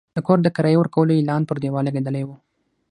د کور د کرایې ورکولو اعلان پر دېوال لګېدلی و.